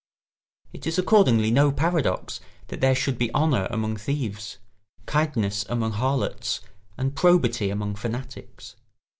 It is accordingly no paradox that there should be honour among thieves, kindness among harlots, and probity among fanatics.